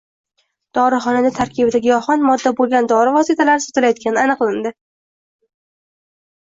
Dorixonada tarkibida giyohvand modda bo‘lgan dori vositalari sotilayotganligi aniqlandi